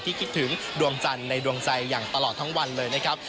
คิดถึงดวงจันทร์ในดวงใจอย่างตลอดทั้งวันเลยนะครับ